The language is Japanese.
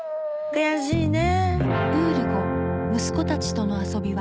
悔しいね。